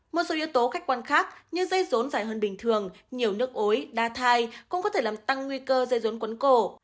một số yếu tố khách quan khác như dây rốn dài hơn bình thường nhiều nước ối đa thai cũng có thể làm tăng nguy cơ dây rốn quấn cổ